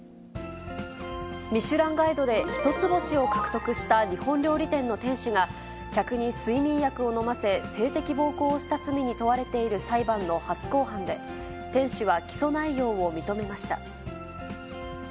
ミシュランガイドで１つ星を獲得した日本料理店の店主が、客に睡眠薬を飲ませ、性的暴行をした罪に問われている裁判の初公判で、店主は起訴内容を認めました。